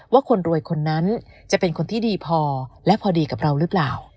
คนรวยคนนั้นจะเป็นคนที่ดีพอและพอดีกับเราหรือเปล่า